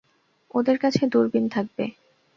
ওদের কাছে দুরবিন থাকবে।